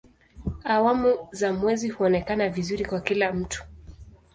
Awamu za mwezi huonekana vizuri kwa kila mtu.